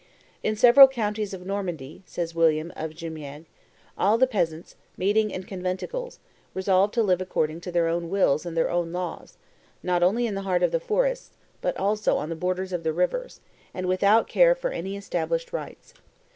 "In several counties of Normandy," says William of Jumieges, "all the peasants, meeting in conventicles, resolved to live according to their own wills and their own laws, not only in the heart of the forests, but also on the borders of the rivers, and without care for any established rights.